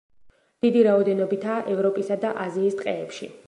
დიდი რაოდენობითაა ევროპისა და აზიის ტყეებში.